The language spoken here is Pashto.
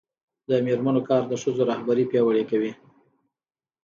د میرمنو کار د ښځو رهبري پیاوړې کوي.